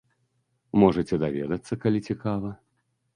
Можаце даведацца, калі цікава.